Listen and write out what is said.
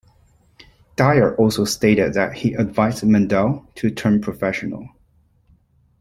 Dyer also stated that he advised Mandell to turn professional.